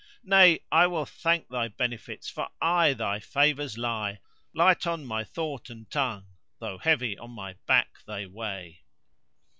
Nay; I will thank thy benefits, for aye thy favours lie * Light on my thought and tongue, though heavy on my back they weigh.